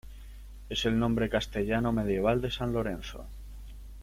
Es el nombre castellano medieval de San Lorenzo.